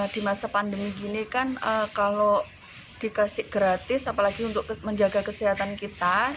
di masa pandemi gini kan kalau dikasih gratis apalagi untuk menjaga kesehatan kita